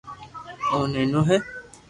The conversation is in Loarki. او نينو ھي